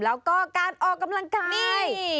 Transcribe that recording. แล้วก็การออกกำลังกายนี่